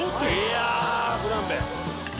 いやフランベ。